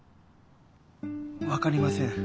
分かりません。